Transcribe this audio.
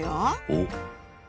おっ！